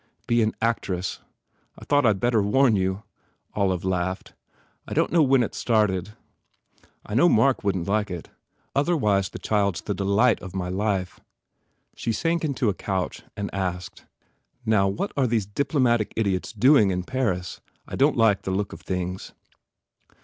"Be an actress. I thought I d better warn you," Olive laughed, "I don t know when it started. I know Mark wouldn t like it. Other wise the child s the delight of my life." She sank 1 1 8 MARGOT into a couch and asked, "Now, what are these dip lomatic idiots doing in Paris? I don t like the look of things."